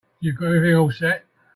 You've got everything all set?